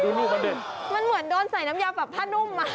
มันเหมือนโดนใส่น้ำยาปรับผ้านุ่ม